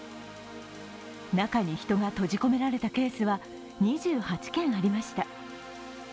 中に人が閉じ込められたケースは２８件ありました。